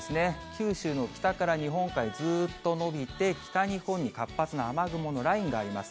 九州の北から日本海、ずっと延びて、北日本に活発な雨雲のラインがあります。